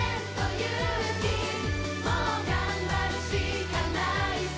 勇気もうがんばるしかないさ」